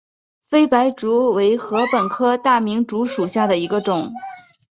菲白竹为禾本科大明竹属下的一个种。